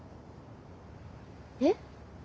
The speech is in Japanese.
えっ？